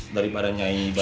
daripada nyai iba